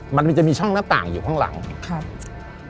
มันมีช่องนาต่างอยู่ข้างหลังเบาะในเต็นต์ไม่มี